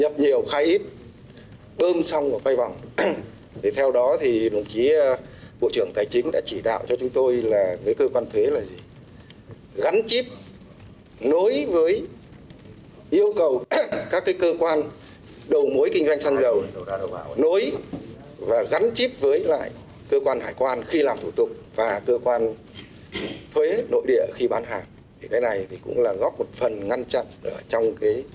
thuế nội địa khi bán hàng cái này cũng là góp một phần ngăn chặn trong gian lận trong khu vực cửa khẩu hải quan